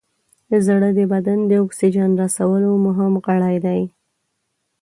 زړه د بدن د اکسیجن رسولو مهم غړی دی.